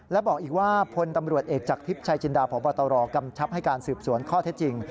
และบอกอีกว่าพลตำรวจเอกจากทิพย์ชายจินดาพบตรกำชับให้การสืบสวนข้อเท็จจริง